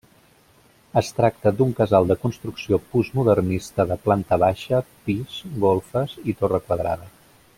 Es tracta d'un casal de construcció postmodernista de planta baixa, pis, golfes i torre quadrada.